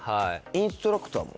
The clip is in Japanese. インストラクターも？